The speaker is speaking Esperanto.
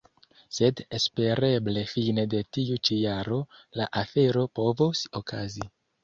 Sed espereble fine de tiu ĉi jaro la afero povos okazi.